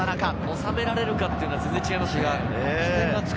収められるかというのは全然違います。